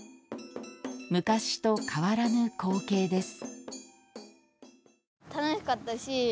昔と変わらぬ光景です。